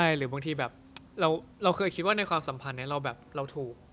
หรือบางทีแบบเราเคยคิดว่าในความสัมพันธ์นี้เราถูก